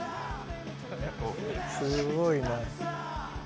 すごいな。